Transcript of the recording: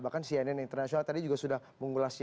bahkan cnn internasional tadi juga sudah mengulas ini